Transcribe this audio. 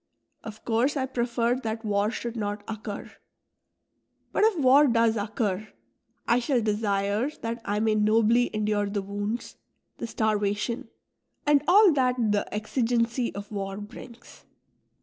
Of course I prefer that war should not occur ; but if war does occur, I shall desire that I may nobly endure the wounds, the starvation, and all that the exigency of war brings.